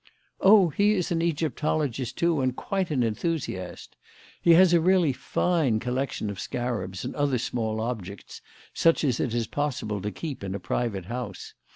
"Oh, he is an Egyptologist, too, and quite an enthusiast. He has a really fine collection of scarabs and other small objects such as it is possible to keep in a private house.